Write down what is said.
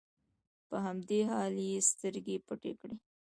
په همدې حال کې يې سترګې پټې شي.